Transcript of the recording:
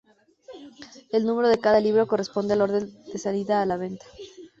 El número de cada libro corresponde al orden de salida a la venta.